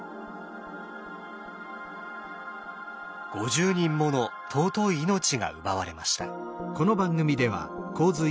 ５０人もの尊い命が奪われました。